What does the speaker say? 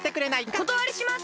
おことわりします！